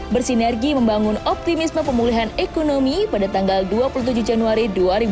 bersinergi membangun optimisme pemulihan ekonomi pada tanggal dua puluh tujuh januari dua ribu dua puluh